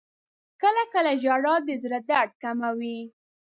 • کله کله ژړا د زړه درد کموي.